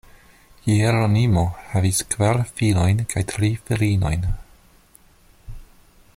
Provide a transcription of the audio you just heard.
Hieronimo havis kvar filojn kaj tri filinojn.